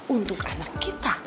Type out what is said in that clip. untuk anak kita